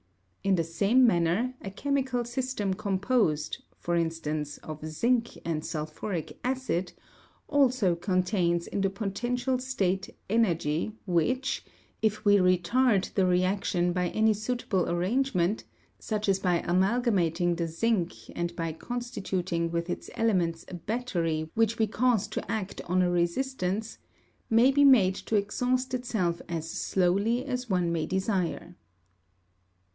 In the same manner, a chemical system composed, for instance, of zinc and sulphuric acid, also contains in the potential state energy which, if we retard the reaction by any suitable arrangement such as by amalgamating the zinc and by constituting with its elements a battery which we cause to act on a resistance may be made to exhaust itself as slowly as one may desire.